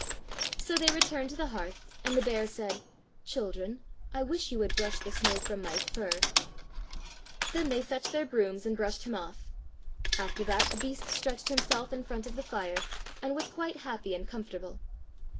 So they returned to the hearth, and the bear said, "Children, I wish you would brush the snow from my fur." Then they fetched their brooms and brushed him off. After that the beast stretched himself in front of the fire and was quite happy and comfortable.